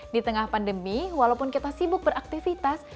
di tengah pandemi walaupun kita sibuk beraktivitas